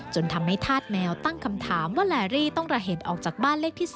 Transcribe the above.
จนทำให้ธาตุแมวตั้งคำถามว่าแลรี่ต้องระเหตุออกจากบ้านเลขที่๒